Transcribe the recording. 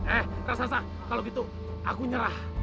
eh raksasa kalau gitu aku nyerah